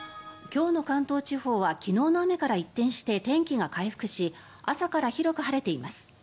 今日の関東地方は昨日の雨から一転して天気が回復し朝から広く晴れています。